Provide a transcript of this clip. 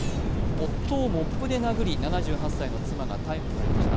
夫をモップで殴り７８歳の妻が逮捕されました。